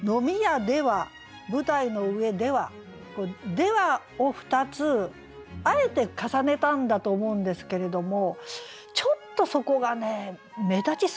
「では」を２つあえて重ねたんだと思うんですけれどもちょっとそこがね目立ちすぎるかなと思うんですよね。